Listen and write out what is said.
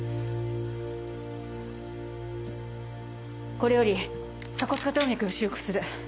これより鎖骨下動脈を修復する。